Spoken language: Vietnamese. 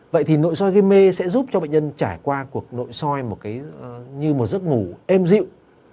vậy thì nội soi gây mê sẽ giúp cho bệnh nhân trải qua cuộc nội soi một cái như một giấc ngủ êm dịu